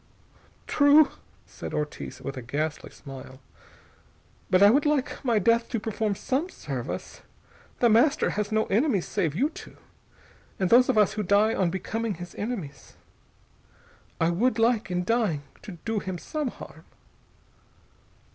"True," said Ortiz with a ghastly smile. "But I would like my death to perform some service. The Master has no enemies save you two, and those of us who die on becoming his enemies. I would like, in dying, to do him some harm."